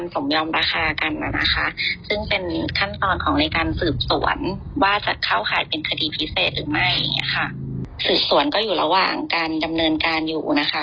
ทั้งเจ้าหน้าที่ได้รวบรวมเอกสารและพยายามหลักฐานที่เกี่ยวข้องจากนิดนึงนะคะ